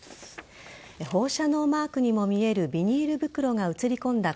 放射能マークにも見えるビニール袋が写り込んだ